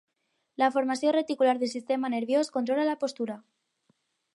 La formació reticular del sistema nerviós controla la postura.